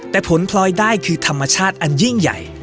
แต่ผลพลอยได้คือธรรมชาติอันยิ่งใหญ่